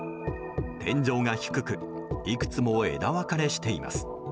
天井が低くいくつも枝分かれしています。